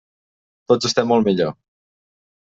Tots estem molt millor.